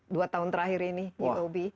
dua tahun terakhir ini di uob